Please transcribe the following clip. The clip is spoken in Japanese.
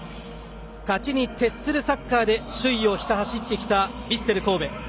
勝ちに徹するサッカーで首位をひた走ってきたヴィッセル神戸。